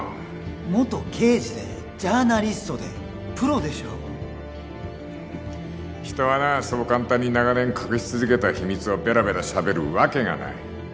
元刑事でジャーナリストでプロでしょ人はなそう簡単に長年隠し続けた秘密をベラベラしゃべるわけがない